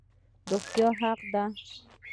روغتیا حق دی